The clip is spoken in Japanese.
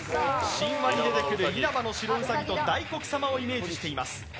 神話に出てくる因幡の白うさぎと大黒様をイメージしています。